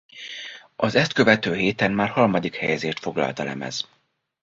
Az ezt követő héten már harmadik helyezést foglalt a lemez.